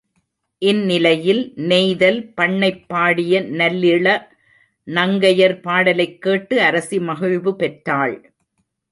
இந்நிலையில் நெய்தல் பண்ணைப் பாடிய நல்லிள நங்கையர் பாடலைக் கேட்டு அரசி மகிழ்வு பெற்றாள்.